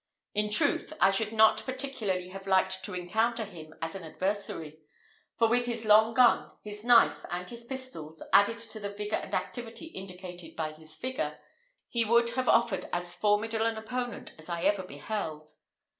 In truth, I should not particularly have liked to encounter him as an adversary; for with his long gun, his knife, and his pistols, added to the vigour and activity indicated by his figure, he would have offered as formidable an opponent as I ever beheld.